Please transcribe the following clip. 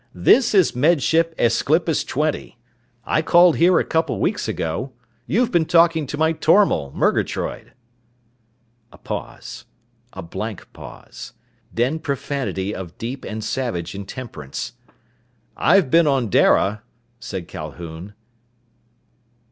"This is Med Ship Aesclipus Twenty. I called here a couple of weeks ago. You've been talking to my tormal, Murgatroyd." A pause. A blank pause. Then profanity of deep and savage intemperance. "I've been on Dara," said Calhoun.